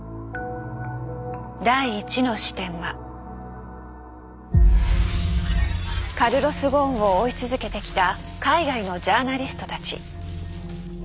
第１の視点はカルロス・ゴーンを追い続けてきた海外のジャーナリストたち。